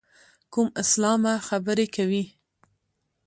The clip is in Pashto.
کوم اسلامه خبرې کوې.